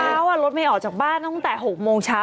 เมื่อเช้ารถแมงออกจากบ้านตั้งแต่หกโมงเช้า